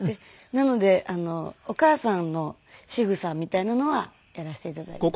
なのでお母さんのしぐさみたいなのはやらせて頂いて。